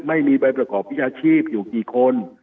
ไม่มีใบประกอบวิชาชีพอยู่กี่คน